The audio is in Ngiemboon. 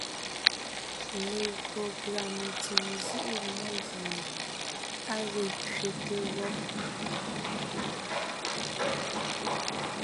Legÿo pʉ́a mentsèm nzíʼi mmó gie á ge kẅete wɔ́b,